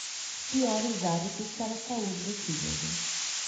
Piores hábitos para a saúde do fígado